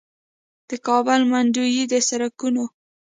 د کابل منډوي د سړکونو